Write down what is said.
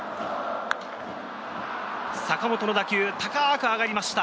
坂本の打球、高く上がりました。